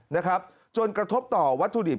นะครับจนกระทบต่อวัตถุดิบ